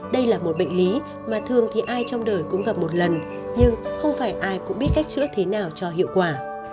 đây là một bệnh lý mà thường thì ai trong đời cũng gặp một lần nhưng không phải ai cũng biết cách chữa thế nào cho hiệu quả